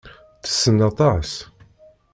Tessen aṭas.